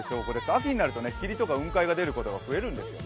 秋になると霧とか雲海が出ることが増えるんです。